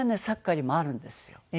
サッカーにもあるんですよ。